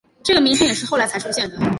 这个名称也是后来才出现的。